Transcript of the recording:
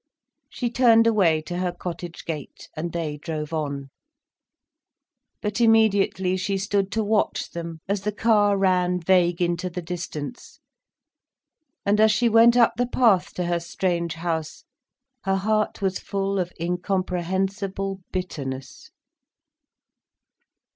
She turned away to her cottage gate, and they drove on. But immediately she stood to watch them, as the car ran vague into the distance. And as she went up the path to her strange house, her heart was full of incomprehensible bitterness.